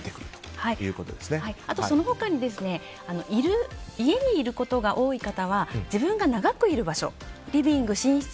あと、その他に家にいることが多い方は自分が長くいる場所リビング、寝室。